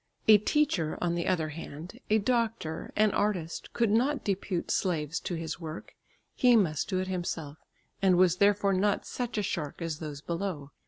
A teacher, on the other hand, a doctor, an artist, could not depute slaves to his work; he must do it himself, and was therefore not such a shark as those below.